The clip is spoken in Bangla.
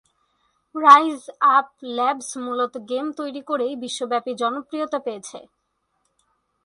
রাইজ আপ ল্যাবস মূলত গেম তৈরি করেই বিশ্বব্যাপী জনপ্রিয়তা পেয়েছে।